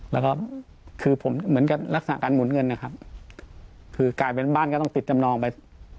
แล้วก็คือผมเหมือนกับลักษณะการหมุนเงินนะครับคือกลายเป็นบ้านก็ต้องติดจำนองไป